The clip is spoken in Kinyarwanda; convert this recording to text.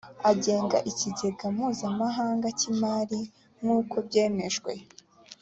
agenga ikigega mpuzamahanga cy imari nk uko byemejwe